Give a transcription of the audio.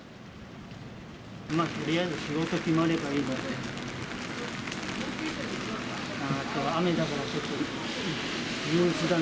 とりあえず仕事決まればいいので。